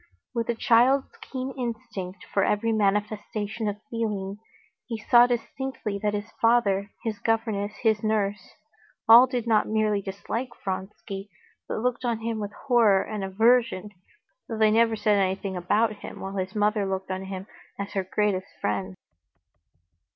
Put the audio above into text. With a child's keen instinct for every manifestation of feeling, he saw distinctly that his father, his governess, his nurse,—all did not merely dislike Vronsky, but looked on him with horror and aversion, though they never said anything about him, while his mother looked on him as her greatest friend.